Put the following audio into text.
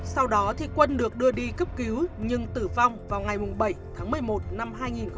sau đó thì quân được đưa đi cấp cứu nhưng tử vong vào ngày bảy tháng một mươi một năm hai nghìn một mươi